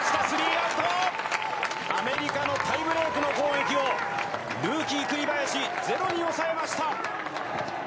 アメリカのタイブレークの攻撃をルーキー、栗林ゼロに抑えました。